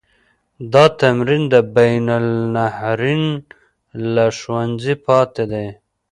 دا تمرین د بین النهرین له ښوونځي پاتې دی.